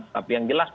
tapi yang jelas